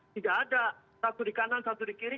tidak ada satu di kanan satu di kiri